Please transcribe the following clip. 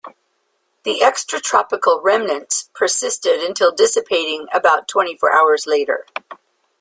The extratropical remnants persisted until dissipating about twenty-four hours later.